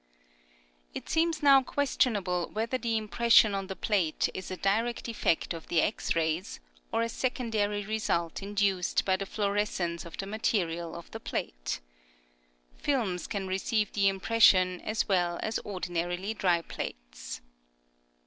It seems now questionable whether the impression on the plate is a direct effect of the X rays, or a secondary result induced by the fluorescence of the material of the plate. Films can receive the impression as well as ordinarly dry plates.